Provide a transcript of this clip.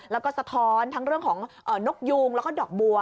แล้วก็สะท้อนทั้งเรื่องของนกยูงเดาะบัว